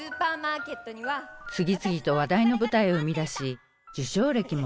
次々と話題の舞台を生み出し受賞歴も多数。